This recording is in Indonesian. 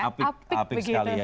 apik apik sekali ya